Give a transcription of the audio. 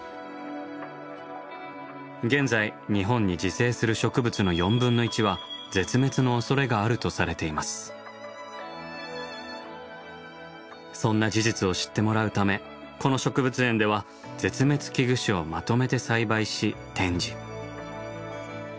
現在日本に自生する植物のそんな事実を知ってもらうためこの植物園では絶滅危惧種をまとめて栽培し展示。